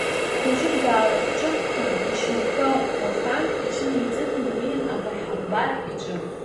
Хәыҷык даалахҿыххан, ишьамхы ааӷәӷәахан, иҽынеиҵихын, днеит аԥеҳамбар иҿы.